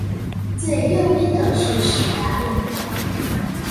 最右邊的是史達林